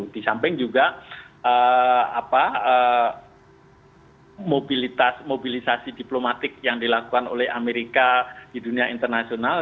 di samping juga mobilitas mobilisasi diplomatik yang dilakukan oleh amerika di dunia internasional